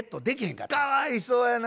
かわいそうやな。